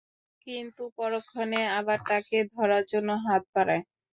কিন্তু পরক্ষণে আবার তাকে ধরার জন্যে হাত বাড়ায়।